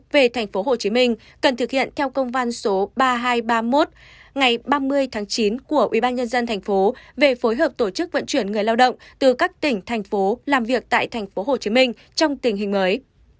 về tp hcm cần thực hiện theo công văn số ba nghìn hai trăm ba mươi một ngày ba mươi tháng chín của ubnd tp về phối hợp tổ chức vận chuyển người lao động từ các tỉnh thành phố làm việc tại tp hcm trong tình hình mới